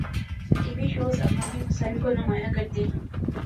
T V shows عوامی مسائل کو نمایاں کرتے ہیں۔